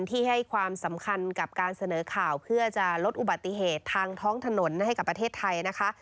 ที่ให้ความสำคัญกับการเสนอข่าวเพื่อจะลดอุบัติเหตุทางท้องถนนให้กับประเทศไทยนะคะ